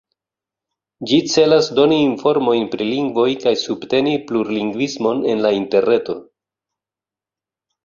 Ĝi celas doni informojn pri lingvoj kaj subteni plurlingvismon en la Interreto.